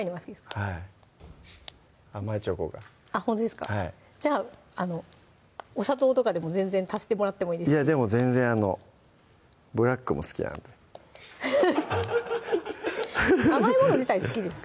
はい甘いチョコがあっほんとですかじゃあお砂糖とかでも全然足してもらってもいいですしいやでも全然あのブラックも好きなんで甘いもの自体好きですか？